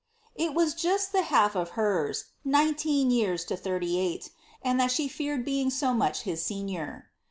' It was just the half of hers — nineteen years to thirty eight — and lh*l •he feared being so much his senior.'